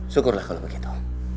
syukurlah kalau begitu